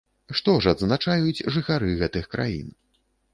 Што ж адзначаюць жыхары гэтых краін?